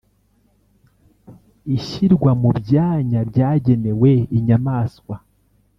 ishyirwa mu byanya byagenewe inyamaswa